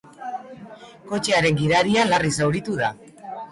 Kotxearen gidaria larri zauritu da.